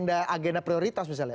agenda prioritas misalnya